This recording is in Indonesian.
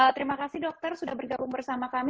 terima kasih dokter sudah bergabung bersama kami